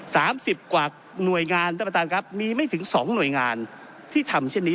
สามสิบกว่าหน่วยงานท่านประธานครับมีไม่ถึงสองหน่วยงานที่ทำเช่นนี้